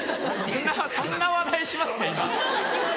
そんな話題しますか？